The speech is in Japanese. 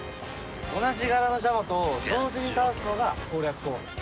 同じ柄のジャマトを同時に倒すのが攻略法。